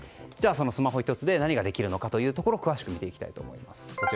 スマホ１つで何ができるかというところを詳しく見ていきたいと思います。